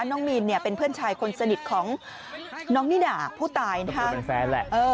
น้องมีนเป็นเพื่อนชายคนสนิทของน้องนี่ด่าผู้ตายนะคะ